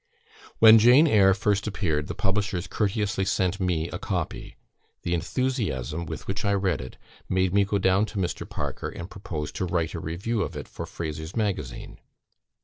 "When 'Jane Eyre' first appeared, the publishers courteously sent me a copy. The enthusiasm with which I read it, made me go down to Mr. Parker, and propose to write a review of it for Frazer's Magazine.